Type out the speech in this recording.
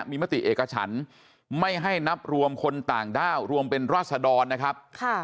มีมติเอกฉันไม่ให้นับรวมคนต่างด้าวรวมเป็นราศดรนะครับ